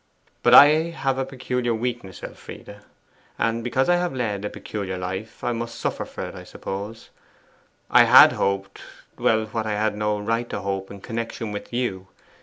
But I have peculiar weaknesses, Elfride; and because I have led a peculiar life, I must suffer for it, I suppose. I had hoped well, what I had no right to hope in connection with you.